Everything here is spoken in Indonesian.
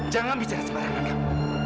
jangan bicara semarang amirah